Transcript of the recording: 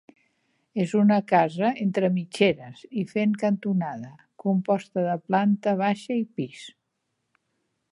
És una casa entre mitgeres i fent cantonada, composta de planta baixa i pis.